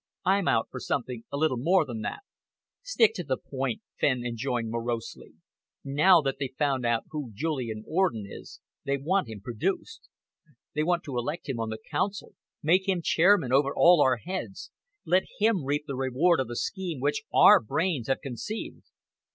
I'm out for something a little more than that." "Stick to the point," Fenn enjoined morosely. "Now they've found out who Julian Orden is, they want him produced. They want to elect him on the Council, make him chairman over all our heads, let him reap the reward of the scheme which our brains have conceived."